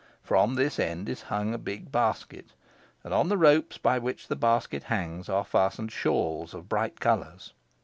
From this end is hung a big basket, and on the ropes by which the basket hangs are fastened shawls of bright colours.